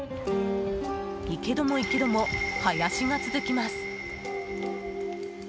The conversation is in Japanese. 行けども行けども、林が続きます。